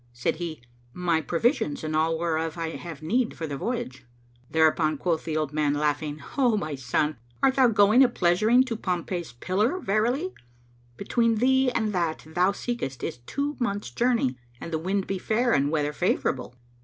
said he, "My provisions and all whereof I have need for the voyage." Thereupon quoth the old man, laughing, "O my son, art thou going a pleasuring to Pompey's Pillar?[FN#509] Verily, between thee and that thou seekest is two months' journey and the wind be fair and the weather favourable."